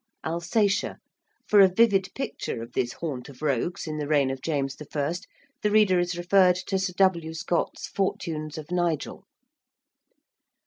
~Alsatia~: for a vivid picture of this haunt of rogues in the reign of James I. the reader is referred to Sir W. Scott's 'Fortunes of Nigel.'